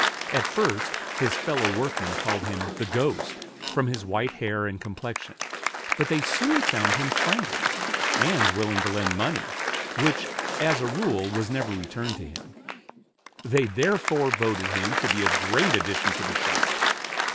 At first his fellow workmen called him "the ghost," from his white hair and complexion; but they soon found him friendly, and willing to lend money, which, as a rule, was never returned to him; they therefore voted him to be a great addition to the shop.